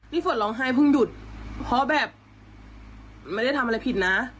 ฝนร้องไห้เพิ่งหยุดเพราะแบบไม่ได้ทำอะไรผิดนะ